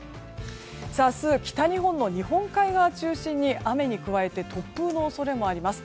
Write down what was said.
明日、北日本の日本海側を中心に雨に加えて突風の恐れもあります。